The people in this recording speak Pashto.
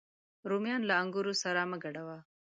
رومیان له انګورو سره مه ګډوه